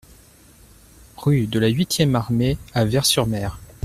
Rue de la Huitième Armée à Ver-sur-Mer